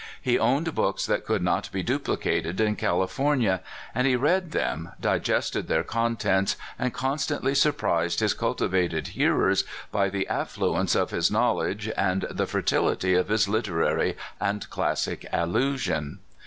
He owned books that could not be duplicated in California ; and he read them, digested their con tents, and constantly surprised his cultivated hear ers by the affluence of his knowledge, and the fer tility of his literary and classic allusion.